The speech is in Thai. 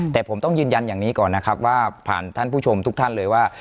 แต่ผมต้องยืนยันอย่างนี้ก่อนนะครับว่าผ่านท่านผู้ชมทุกท่านเลยว่า